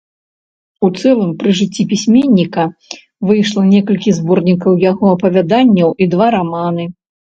У цэлым пры жыцці пісьменніка выйшла некалькі зборнікаў яго апавяданняў і два раманы.